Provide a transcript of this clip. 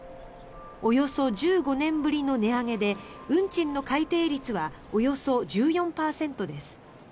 およそ１５年ぶりの値上げで運賃の改定率はおよそ１４％です。